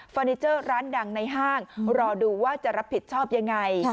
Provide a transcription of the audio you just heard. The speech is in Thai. นิเจอร์ร้านดังในห้างรอดูว่าจะรับผิดชอบยังไง